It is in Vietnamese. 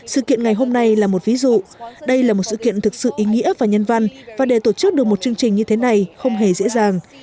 sự kiện ngày hôm nay là một ví dụ đây là một sự kiện thực sự ý nghĩa và nhân văn và để tổ chức được một chương trình như thế này không hề dễ dàng